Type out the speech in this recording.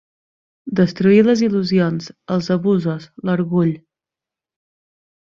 Destruir les il·lusions, els abusos, l'orgull.